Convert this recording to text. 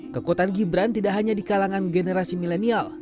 kekuatan gibran tidak hanya di kalangan generasi milenial